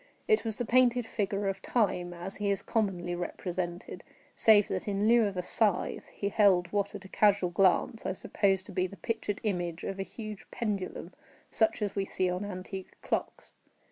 It was the painted figure of Time as he is commonly represented, save that, in lieu of a scythe, he held what, at a casual glance, I supposed to be the pictured image of a huge pendulum such as we see on antique clocks.